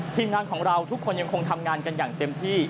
ทีมงานของเราทุกคนยังคงทำงานกันอย่างเต็มที่